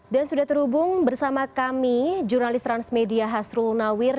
sudah terhubung bersama kami jurnalis transmedia hasrul nawir